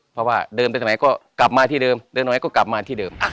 เพราะว่าเดิมไปสมัยก็กลับมาที่เดิมเดินสมัยก็กลับมาที่เดิม